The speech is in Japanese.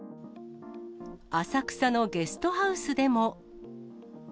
浅草のゲストハウスでも。